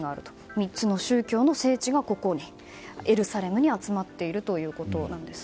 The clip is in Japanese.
３つの宗教の聖地がここエルサレムに集まっているということなんです。